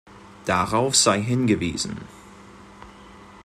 Darauf sei hingewiesen.